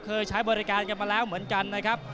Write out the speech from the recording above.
ใช้บริการกันมาแล้วเหมือนกันนะครับ